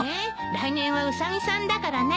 来年はウサギさんだからね。